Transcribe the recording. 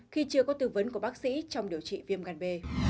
khi chưa có tư vấn của bác sĩ trong điều trị viêm gan b